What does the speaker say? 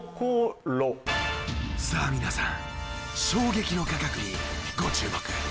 さあ皆さん衝撃の価格にご注目！